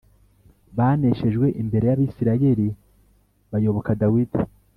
baneshejwe imbere y’Abisirayeli bayoboka Dawidi